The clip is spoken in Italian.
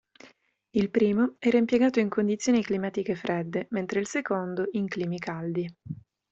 Il primo era impiegato in condizioni climatiche fredde, mentre il secondo in climi caldi.